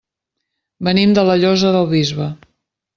Venim de la Llosa del Bisbe.